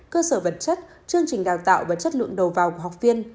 cơ sở vật chất chương trình đào tạo và chất lượng đầu vào của học viên